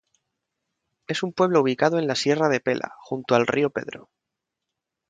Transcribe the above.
Es un pueblo ubicado en la Sierra de Pela, junto al río Pedro.